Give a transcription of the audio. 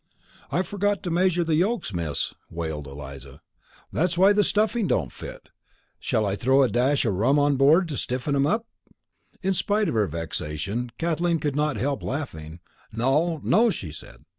"I forgot to measure the yolks, Miss," wailed Eliza. "That's why the stuffing don't fit. Shall I throw a dash of rum on board to stiffen 'em up?" In spite of her vexation, Kathleen could not help laughing. "No, no," she said.